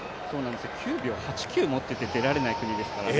９秒８９持っていて出られない国ですからね。